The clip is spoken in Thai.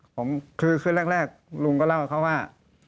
ผมคือคืนแรกลุงก็เล่าให้เขาว่า